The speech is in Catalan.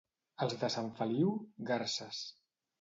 Els de Sant Feliu, garses.